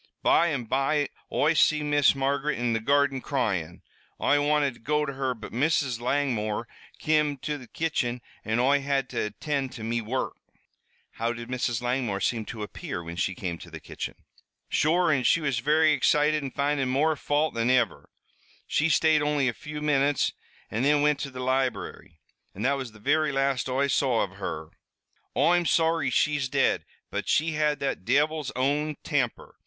By an' by Oi see Miss Margaret in the garden cryin'. Oi wanted to go to her, but Mrs. Langmore kim to the kitchen an' Oi had to attind to me wurruk." "How did Mrs. Langmore seem to appear when she came to the kitchen?" "Sure an' she was very excited an' findin' more fault than iver. She stayed only a few minutes, an' thin wint to the library, an' that was the very last Oi saw av her. Oi'm sorry she's dead, but she had that divil's own temper!"